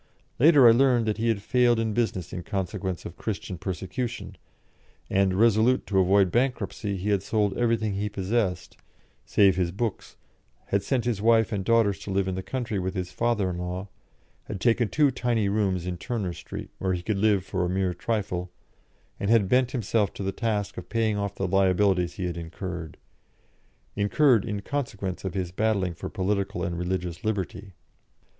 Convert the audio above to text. Later I learned that he had failed in business in consequence of Christian persecution, and, resolute to avoid bankruptcy, he had sold everything he possessed, save his books, had sent his wife and daughters to live in the country with his father in law, had taken two tiny rooms in Turner Street, where he could live for a mere trifle, and had bent himself to the task of paying off the liabilities he had incurred incurred in consequence of his battling for political and religious liberty.